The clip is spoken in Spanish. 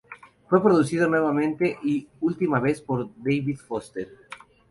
Fue producido nuevamente y última vez por David Foster.